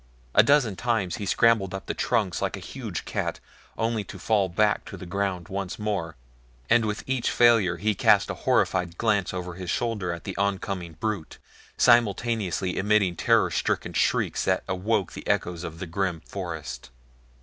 A dozen times he scrambled up the trunks like a huge cat only to fall back to the ground once more, and with each failure he cast a horrified glance over his shoulder at the oncoming brute, simultaneously emitting terror stricken shrieks that awoke the echoes of the grim forest.